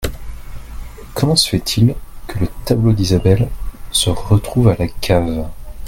Comment ce fait-il que le tableau d’Isabelle se retrouve à la cave ?